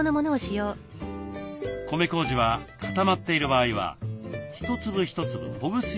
米こうじは固まっている場合は一粒一粒ほぐすようにします。